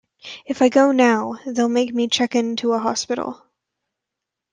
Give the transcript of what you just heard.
If I go now, they'll make me check into a hospital.